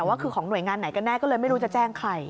ว่าคือของหน่วยงานไหนกันแน่ก็เลยไม่รู้จะแจ้งใคร